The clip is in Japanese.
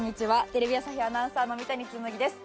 テレビ朝日アナウンサーの三谷紬です。